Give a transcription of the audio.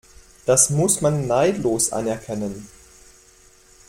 Das muss man neidlos anerkennen.